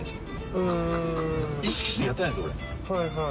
はいはい。